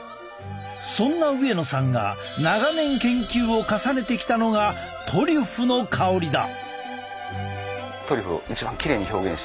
そんな上野さんが長年研究を重ねてきたのがトリュフの香りだ。